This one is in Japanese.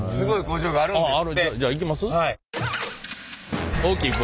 じゃあ行きます？